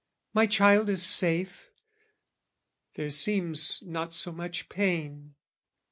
My child is safe; there seems not so much pain.